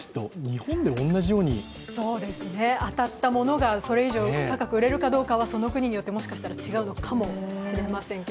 日本で同じようにそうですね、当たったものがそれ以上高く売れるかどうかはその国によって、もしかしたら違うのかもしれません。